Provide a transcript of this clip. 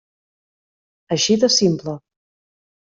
Així de simple.